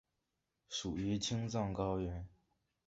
属于青藏高原。